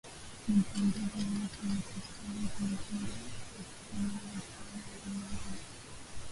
na kiongozi wa mwisho wa Kisovyeti Mikhail Gorbachev na Kansela wa zamani wa Ujerumani